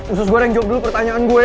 usus goreng jawab dulu pertanyaan gue